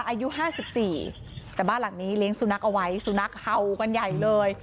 อายุ๕๔แต่บ้านหลังนี้เลี้ยงสุนัขเอาไว้สุนัขเห่ากันใหญ่เลย